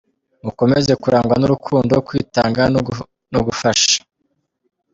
mukomeze kurangwa n’urukundo, kwitanga no gufasha ”.